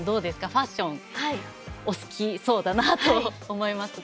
ファッションお好きそうだなと思いますが。